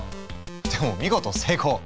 でも見事成功！